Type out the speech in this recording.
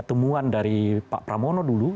temuan dari pak pramono dulu